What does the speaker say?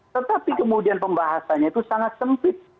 tetapi kemudian pembahasannya itu sangat sempit